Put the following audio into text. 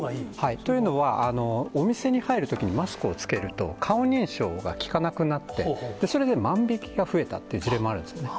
というのは、お店に入るときにマスクを着けると、顔認証が利かなくなって、それで万引きが増えたっていう事例もあるんですね。